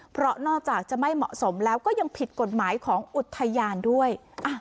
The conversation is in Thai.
เพราะนอกจากจะไม่เหมาะสมแล้วก็ยังผิดกฎหมายของอุทยานด้วย